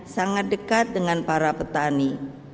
sangat dekat dengan para petani